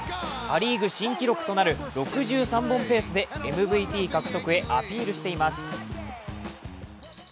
ア・リーグ新記録となる６３本ペースでＭＶＰ獲得へアピールしています。